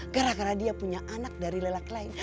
gara gara dia punya anak dari lelak lain